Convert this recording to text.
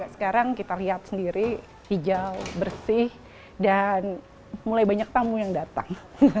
sekarang kita lihat sendiri hijau bersih dan mulai banyak tamu yang datang